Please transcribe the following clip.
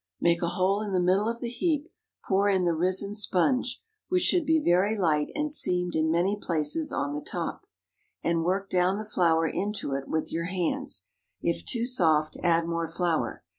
Make a hole in the middle of the heap, pour in the risen sponge (which should be very light and seamed in many places on the top), and work down the flour into it with your hands. If too soft, add more flour.